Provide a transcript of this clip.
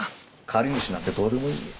借り主なんてどうでもいい。